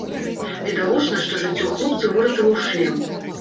Відавочна, што жыццё хлопцу выратаваў шлем.